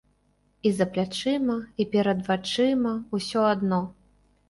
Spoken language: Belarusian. І за плячыма, і перад вачыма ўсё адно.